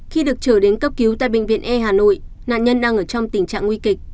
khi được trở đến cấp cứu tại bệnh viện e hà nội nạn nhân đang ở trong tình trạng nguy kịch